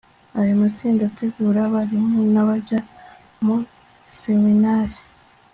ayo matsinda agategura abarimu n'abajya mu seminari